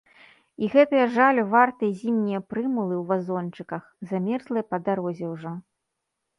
І гэтыя жалю вартыя зімнія прымулы ў вазончыках, замерзлыя па дарозе ўжо.